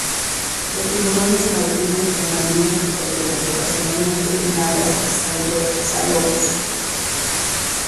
Los tiburones martillo son marinos y costeros, ocasionalmente en aguas salobres.